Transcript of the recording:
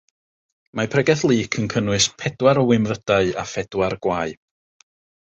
Mae Pregeth Luc yn cynnwys pedwar o wynfydau a phedwar gwae.